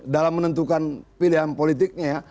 dalam menentukan pilihan politiknya